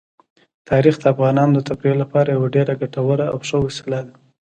تاریخ د افغانانو د تفریح لپاره یوه ډېره ګټوره او ښه وسیله ده.